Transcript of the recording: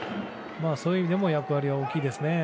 そういう意味でも大きいですね。